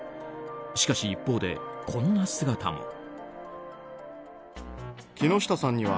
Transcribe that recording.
しかし一方で、こんな姿も。